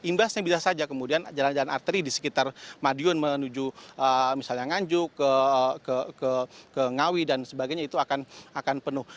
imbasnya bisa saja kemudian jalan jalan arteri di sekitar madiun menuju misalnya nganjuk ke ngawi dan sebagainya itu akan penuh